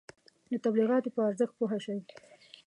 د تبلیغاتو په ارزښت پوه شئ.